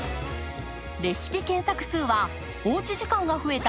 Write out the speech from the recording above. レシピ検索数はおうち時間が増えた